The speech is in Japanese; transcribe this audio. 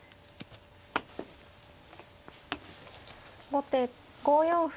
後手５四歩。